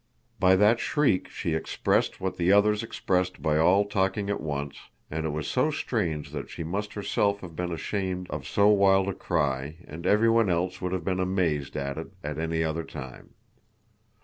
By that shriek she expressed what the others expressed by all talking at once, and it was so strange that she must herself have been ashamed of so wild a cry and everyone else would have been amazed at it at any other time.